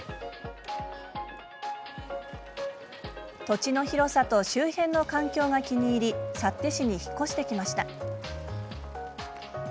土地の広さと周辺の環境が気に入り幸手市に引っ越してきました。